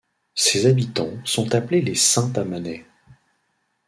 Ses habitants sont appelés les Saint-Amanais.